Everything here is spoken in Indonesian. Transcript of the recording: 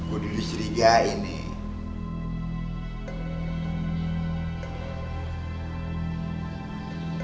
gue dulu serigai nih